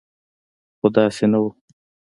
خو داسې نه و.